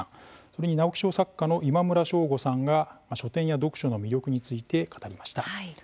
それに直木賞作家の今村翔吾さんが、書店や読書の魅力について語りました。